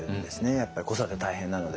やっぱり子育て大変なので。